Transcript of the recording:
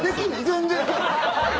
全然。